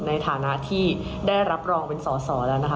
ในฐานะที่ได้รับรองเป็นสอสอแล้วนะคะ